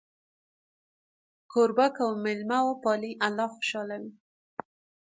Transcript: کوربه که میلمه وپالي، الله خوشحاله وي.